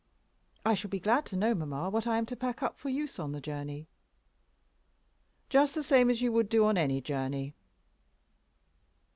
"I shall be glad to know, mamma, what I am to pack up for use on the journey." "Just the same as you would do on any journey."